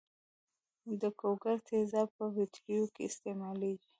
د ګوګړو تیزاب په بټریو کې استعمالیږي.